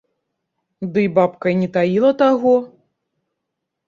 Дый бабка і не таіла таго.